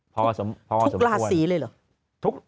พอสมควรทุกลาศรีเลยเหรอ